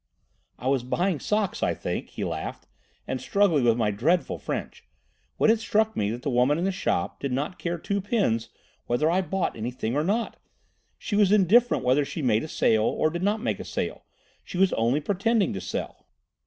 I was buying socks, I think," he laughed, "and struggling with my dreadful French, when it struck me that the woman in the shop did not care two pins whether I bought anything or not. She was indifferent whether she made a sale or did not make a sale. She was only pretending to sell.